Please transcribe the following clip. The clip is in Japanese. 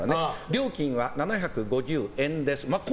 料金は７５０円です。